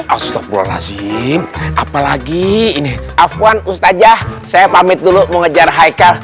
astagfirullahaladzim apalagi ini afan ustadzah saya pamit dulu mengejar haikal